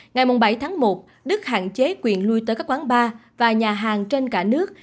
ngày bảy tháng một đức hạn chế quyền lui tới các quán bar và nhà hàng trên cả nước